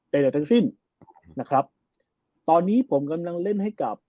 ใดทั้งสิ้นนะครับตอนนี้ผมกำลังเล่นให้กับ